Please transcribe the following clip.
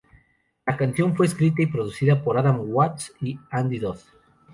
La canción fue escrita y producida por Adam Watts y Andy Dodd.